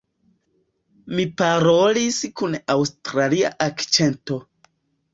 Mi parolis kun aŭstralia akĉento.